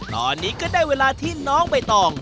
ตอนนี้ก็ได้เวลาที่น้องใบตอง